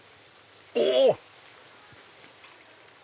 お！